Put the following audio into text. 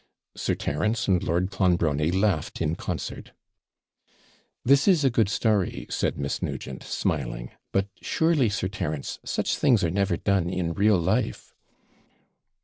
Sir Terence and Lord Clonbrony laughed in concert. 'This is a good story,' said Miss Nugent, smiling; 'but surely, Sir Terence, such things are never done in real life?'